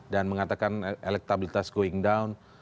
dan mengatakan elektabilitas going down